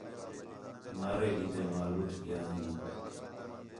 نعرے ݙیتم آں لُٹ ڳِیا ہیں